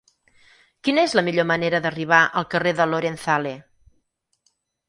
Quina és la millor manera d'arribar al carrer de Lorenzale?